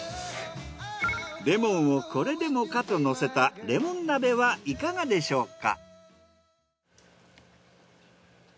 レモンをこれでもかとのせたレモン鍋はいかがでしょうか？